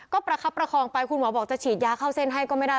ก็ประคับประคองไปคุณหมอบอกจะฉีดยาเข้าเส้นให้ก็ไม่ได้